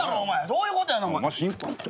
どういうことやねん。